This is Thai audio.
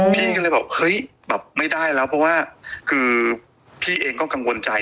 พี่ก็เลยบอกเฮ้ยแบบไม่ได้แล้วเพราะว่าคือพี่เองก็กังวลใจ